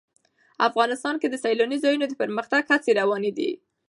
افغانستان کې د سیلانی ځایونه د پرمختګ هڅې روانې دي.